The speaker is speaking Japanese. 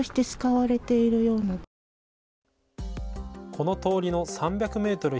この通りの３００メートル